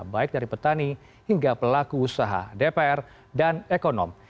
baik dari petani hingga pelaku usaha dpr dan ekonom